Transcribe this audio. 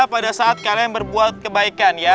pada saat kalian berbuat kebaikan ya